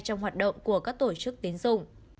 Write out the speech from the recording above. trong hoạt động của các tổ chức tiến dụng